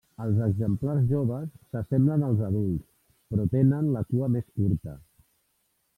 Els exemplars joves s'assemblen als adults, però tenen la cua més curta.